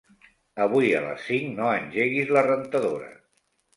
Avui a les cinc no engeguis la rentadora.